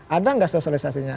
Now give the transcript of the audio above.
ada nggak sosialisasinya